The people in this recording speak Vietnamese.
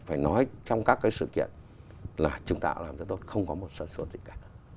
phải nói trong các cái sự kiện là chúng ta đã làm rất tốt không có một sợi sột gì cả